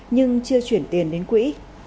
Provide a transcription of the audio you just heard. nhưng chưa chuyển tiền đến quỹ